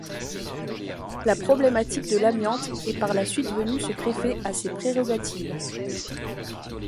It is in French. La problématique de l’amiante est par la suite venue se greffer à ses prérogatives.